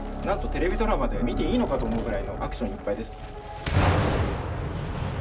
なんとテレビドラマで見ていいのか？と思うくらいのアクションいっぱいです。